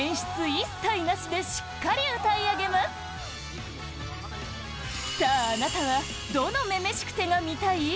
一切なしでしっかり歌い上げますさあ、あなたはどの「女々しくて」が見たい？